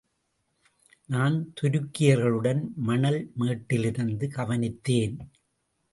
நான் துருக்கியர்களுடன், மணல் மேட்டிலிருந்து கவனித்தேன்.